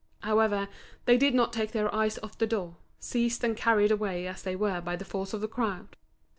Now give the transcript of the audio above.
However, they did not take their eyes off the door, seized and carried away as it were by the force of the crowd.